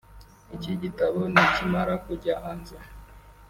Iki gitabo nikimara kujya hanze